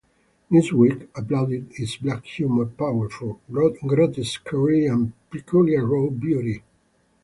"Newsweek" applauded its "black humor, powerful grotesquerie and peculiar raw beauty.